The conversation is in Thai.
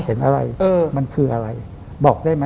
เห็นอะไรมันคืออะไรบอกได้ไหม